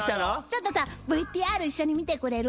ちょっとさＶＴＲ一緒に見てくれる？